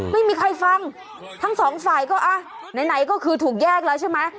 ไม่มีใครฟังทั้งสองฝ่ายก็อ่ะไหนก็คือถูกแยกแล้วใช่ไหม